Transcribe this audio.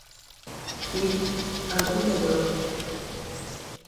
Oui, un gros tas d’or.